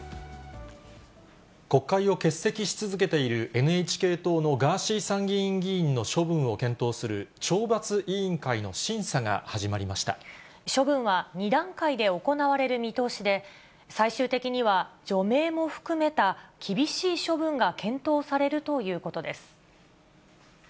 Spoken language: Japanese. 国会を欠席し続けている、ＮＨＫ党のガーシー参議院議員の処分を検討する懲罰委員会の審査処分は２段階で行われる見通しで、最終的には除名も含めた厳しい処分が検討されるということです。